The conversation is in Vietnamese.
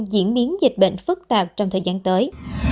diễn biến dịch bệnh phức tạp trong thời gian tới